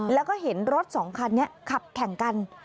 แล้วก็เห็นรถสองคันนี้ขับแข่งกัน